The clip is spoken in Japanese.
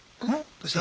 どうした？